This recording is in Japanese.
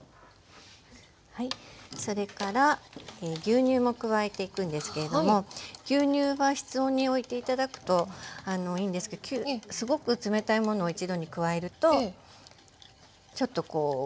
それから牛乳も加えていくんですけれども牛乳は室温において頂くといいんですけどすごく冷たいものを一度に加えるとちょっとこうモロモロッと。